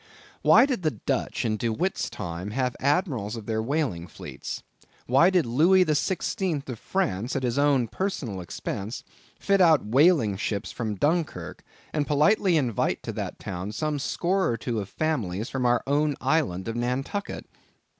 Why did the Dutch in De Witt's time have admirals of their whaling fleets? Why did Louis XVI. of France, at his own personal expense, fit out whaling ships from Dunkirk, and politely invite to that town some score or two of families from our own island of Nantucket?